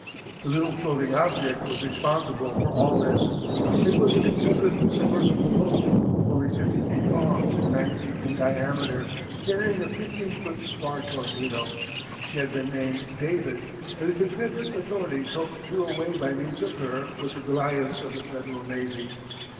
The little floating object was responsible for all this. It was a Confederate submersible boat, only fifty feet long and nine feet in diameter, carrying a fifteen foot spar torpedo. She had been named David and the Confederate authorities hoped to do away by means of her with the Goliaths of the Federal navy.